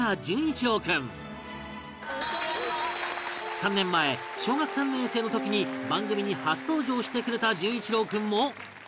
３年前小学３年生の時に番組に初登場してくれた淳一郎君も